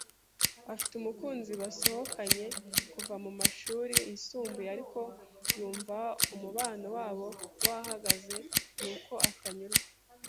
Afite umukunzi basohokanye kuva mu mashuri yisumbuye, ariko yumva umubano wabo wahagaze, nuko atanyurwa.